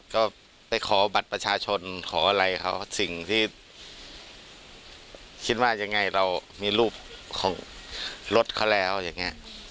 ก็ไปขอบัตรประชาชนขออะไรเขาสิ่งที่คิดว่ายังไงเรามีรูปของรถเขาแล้วอย่างนี้